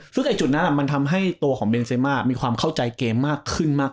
เออซึ่งในจุดนั้นอ่ะมันทำให้ตัวของเบนเซมามีความเข้าใจเกมมากขึ้นนะ